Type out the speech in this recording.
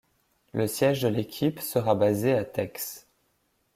Le siège de l'équipe sera basé à Theix.